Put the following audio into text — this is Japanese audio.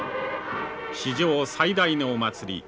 「史上最大のお祭り日本